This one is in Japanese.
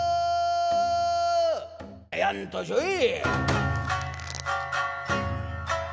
「やんとしょい」。